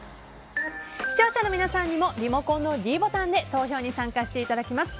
視聴者の皆さんにもリモコンのｄボタンで投票に参加していただきます。